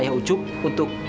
jangan lupa hajar ke diri